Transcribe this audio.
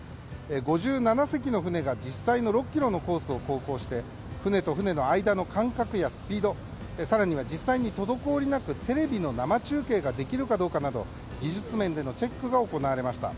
５７隻の船が実際の６ｋｍのコースを航行して船と船の間の感覚やスピード更には実際に滞りなくテレビの生中継ができるかなど技術面でのチェックが行われました。